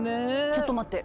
ちょっと待って。